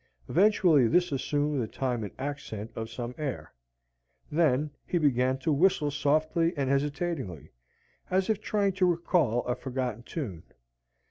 Eventually this assumed the time and accent of some air. Then he began to whistle softly and hesitatingly, as if trying to recall a forgotten tune.